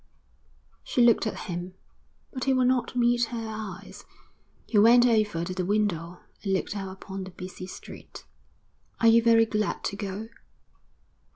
She looked at him, but he would not meet her eyes. He went over to the window and looked out upon the busy street. 'Are you very glad to go?'